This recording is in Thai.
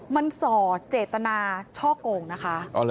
มันส่อเจตนาช่อโกงนะคะ